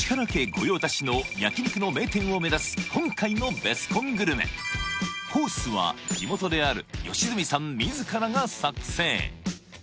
御用達の焼肉の名店を目指す今回のベスコングルメコースは地元である良純さん自らが作成